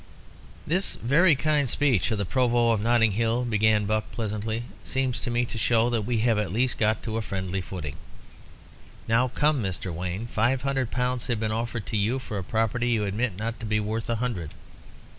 "This very kind speech of the Provost of Notting Hill," began Buck, pleasantly, "seems to me to show that we have at least got on to a friendly footing. Now come, Mr. Wayne. Five hundred pounds have been offered to you for a property you admit not to be worth a hundred.